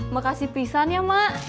makasih pisannya mak